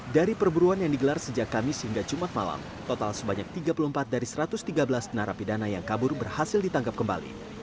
dari perburuan yang digelar sejak kamis hingga jumat malam total sebanyak tiga puluh empat dari satu ratus tiga belas narapidana yang kabur berhasil ditangkap kembali